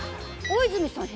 大泉さん